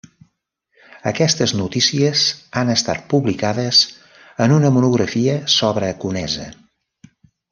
Aquestes notícies han estat publicades en una monografia sobre Conesa.